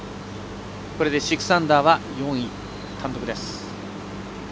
これで６アンダーは４位、単独です。